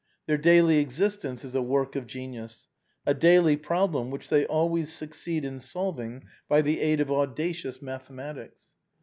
Their daily existence is a work of genius, a daily problem which they always succeed in solving by the aid of audacious mathematics.